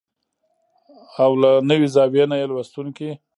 او له نوې زاويې نه يې لوستونکي